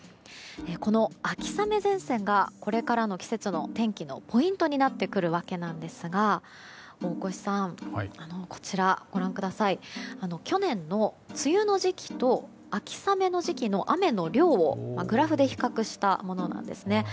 この秋雨前線がこれからの季節の天気のポイントになってくる訳ですが大越さん、こちらは去年の梅雨の時期と秋雨の時期の雨の量をグラフで比較したものなんですね。